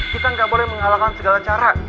kita gak boleh menghalangkan segala cara